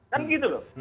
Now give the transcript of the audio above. kan gitu loh